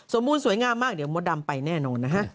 บูรณสวยงามมากเดี๋ยวมดดำไปแน่นอนนะฮะ